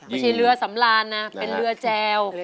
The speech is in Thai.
ไม่ใช่เรือสำราญนะเป็นเรือแจว